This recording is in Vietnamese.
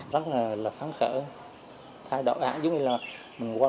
rất là phán khởi thay đổi hả giống như là mình qua một trang